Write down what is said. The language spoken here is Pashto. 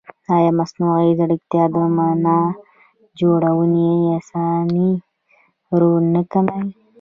ایا مصنوعي ځیرکتیا د معنا جوړونې انساني رول نه کموي؟